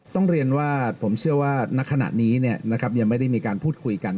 ต้องเรียนว่าผมเชื่อว่าณขณะนี้ยังไม่ได้มีการพูดคุยกัน